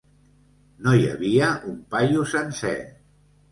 No hi havia un paio sencer.